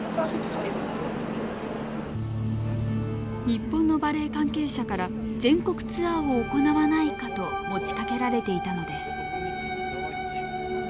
日本のバレエ関係者から全国ツアーを行わないかと持ちかけられていたのです。